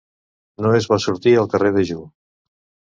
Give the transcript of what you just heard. No és bo sortir al carrer dejú.